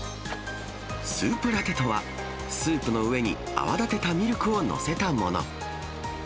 スープラテとは、スープの上に泡立てたミルクを載せたもの。